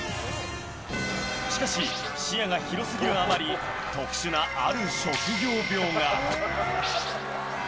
しかし、視野が広すぎるあまり、特殊なある職業病が。